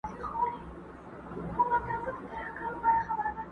پروني ملا ویله چي کفار پکښي غرقیږي.!